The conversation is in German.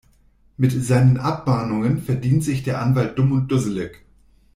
Mit seinen Abmahnungen verdient sich der Anwalt dumm und dusselig.